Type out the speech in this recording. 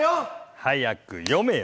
早く読めよ！